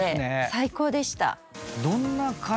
最高でした。